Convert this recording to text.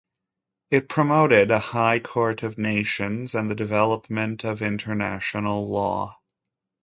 It promoted a "high court of nations" and the development of international law.